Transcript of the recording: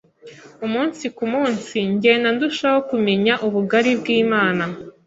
Umunsi ku munsi ngenda ndushaho kumenya ubugari bw’Imana,